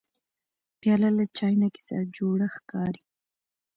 پیاله له چاینکي سره جوړه ښکاري.